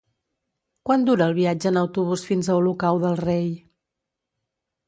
Quant dura el viatge en autobús fins a Olocau del Rei?